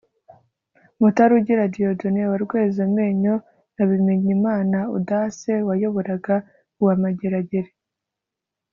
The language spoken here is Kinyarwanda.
Mutarugira Dieudonné wa Rwezamenyo na Bimenyimana Audace wayoboraga uwa Mageragere